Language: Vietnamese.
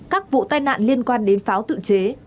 các vụ tai nạn liên quan đến pháo tự chế